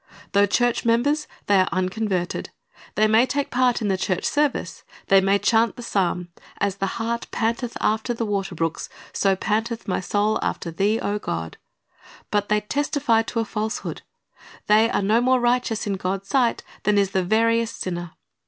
Though church members, they are unconverted. They may take part in the church service, they may chant the psalm, "As the hart panteth after the water brooks, so panteth my soul after Thee, O God;"' but they testify to a falsehood. They are no more righteous in God's sight than is the veriest sinner.